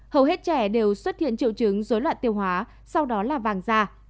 hầu hết trẻ đều xuất hiện triệu chứng dối loạn tiêu hóa sau đó là vàng da